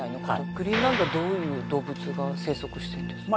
グリーンランドはどういう動物が生息してるんですか？